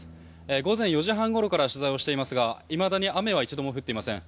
午前４時半ごろから取材をしていますがいまだに雨は一度も降っていません。